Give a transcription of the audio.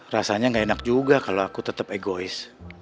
rasanya gak enak juga kalau aku tetep egois